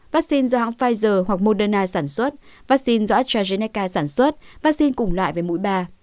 vaccine do hãng pfizer hoặc moderna sản xuất vaccine do astrazeneca sản xuất vaccine cùng loại với mũi ba